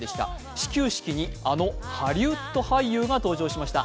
始球式にあのハリウッド俳優が登場しました。